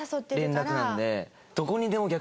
連絡なので。